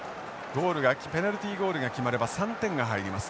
ペナルティゴールが決まれば３点が入ります。